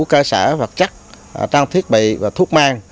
cơ sở vật chất trang thiết bị và thuốc mang